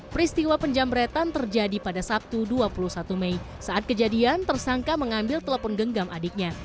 peristiwa penjamretan terjadi pada sabtu dua puluh satu mei saat kejadian tersangka mengambil telepon genggam adiknya